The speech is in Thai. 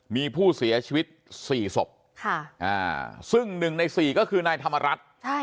มีผู้เสียชีวิต๔ศพซึ่ง๑ใน๔ก็คือนายธรรมรัฐ